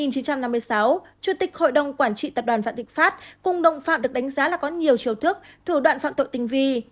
chủ tịch hội đồng quản trị tập đoàn vạn thịnh pháp cùng đồng phạm được đánh giá là có nhiều chiều thức thủ đoạn phạm tội tình vi